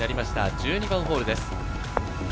１２番ホールです。